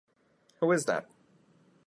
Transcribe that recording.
Who is that?